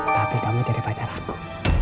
tapi kamu jadi pacar aku